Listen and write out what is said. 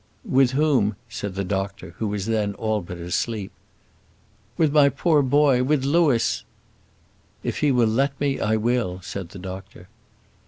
"With whom?" said the doctor, who was then all but asleep. "With my poor boy; with Louis." "If he will let me, I will," said the doctor.